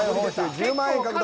１０万円獲得。